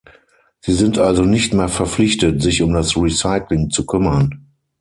Sie sind also nicht mehr verpflichtet, sich um das Recycling zu kümmern.